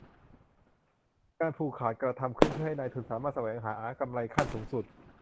การผูกขาดกระทำขึ้นเพื่อให้นายทุนสามารถแสวงหา กำไรขั้นสูงสุด